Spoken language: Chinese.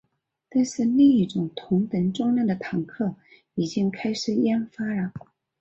但是另一种同等重量的坦克已经开始研发了。